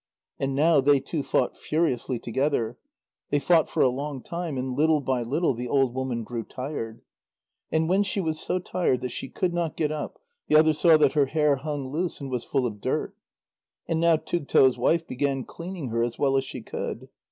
And now they two fought furiously together. They fought for a long time, and little by little the old woman grew tired. And when she was so tired that she could not get up, the other saw that her hair hung loose and was full of dirt. And now Tugto's wife began cleaning her as well as she could.